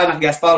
enak di aspal